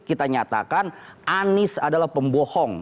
kita nyatakan anies adalah pembohong